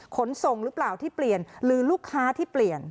ขนส่งหรือเปล่าที่เปลี่ยนหรือลูกค้าที่เปลี่ยน